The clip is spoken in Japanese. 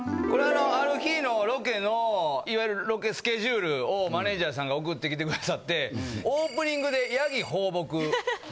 これはある日のロケの、いわゆるロケスケジュールをマネージャーさんが送ってきてくださって、オープニングでヤギ放牧。